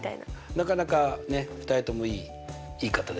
なかなかね２人ともいい言い方ですね。